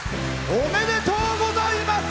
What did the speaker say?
おめでとうございます。